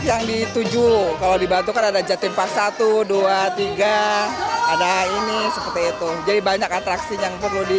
yang dituju kalau dibantu kan ada jatimpa satu dua tiga ada ini seperti itu jadi banyak atraksi yang perlu di